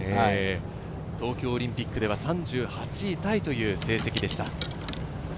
東京オリンピックでは３８位タイという成績でした。